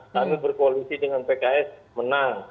kami berkoalisi dengan pks menang